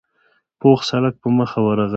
پوخ سړک په مخه ورغی.